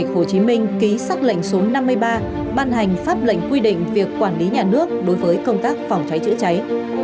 hồ chí minh ký xác lệnh số năm mươi ba ban hành pháp lệnh quy định việc quản lý nhà nước đối với công tác phòng cháy chữa cháy